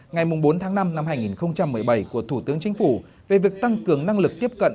ngày bốn tháng năm năm hai nghìn một mươi bảy của thủ tướng chính phủ về việc tăng cường năng lực tiếp cận